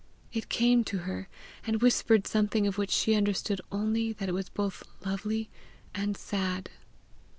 It came to her, and whispered something of which she understood only that it was both lovely and sad.